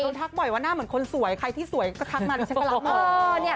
โดนทักบ่อยว่าหน้าเหมือนคนสวยใครที่สวยก็ทักมัน